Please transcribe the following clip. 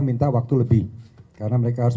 minta waktu lebih karena mereka harus